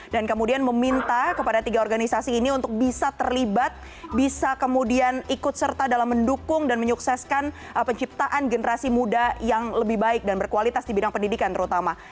dan kemudian meminta kepada tiga organisasi ini untuk bisa terlibat bisa kemudian ikut serta dalam mendukung dan menyukseskan penciptaan generasi muda yang lebih baik dan berkualitas di bidang pendidikan terutama